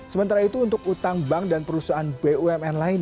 sementara itu untuk utang bank dan perusahaan bum